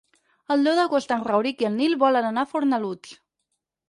El deu d'agost en Rauric i en Nil volen anar a Fornalutx.